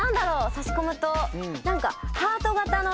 差し込むと。